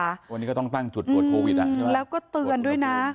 วันนี้ก็ต้องตั้งจุดตรวจโควิดอ่ะใช่ไหมแล้วก็เตือนด้วยนะ